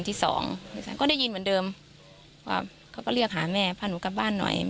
เธอเรียกหาแม่พาหนูกลับบ้านหน่อย